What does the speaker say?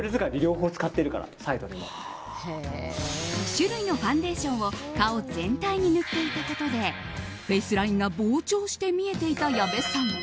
２種類のファンデーションを顔全体に塗っていたことでフェイスラインが膨張して見えていた矢部さん。